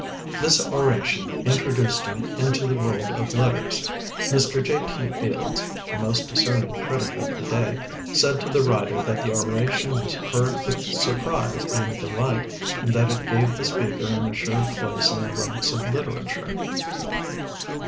This oration introduced him into the world of letters. Mr. J. T. Fields the most discerning critic of the day said to the writer that the oration was heard with surprise and delight, and that it gave the speaker an assured place in the ranks of literature.